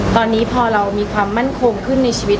ตอนนี้พอเรามีความมั่นคงขึ้นในชีวิต